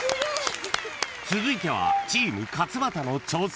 ［続いてはチーム勝俣の挑戦］